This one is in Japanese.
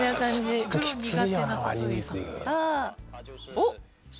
おっ？